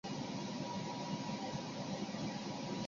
首府磅清扬。